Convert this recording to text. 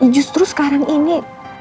justru sekarang ini